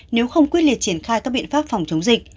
nếu không quyết liệt triển khai các biện pháp phòng chống dịch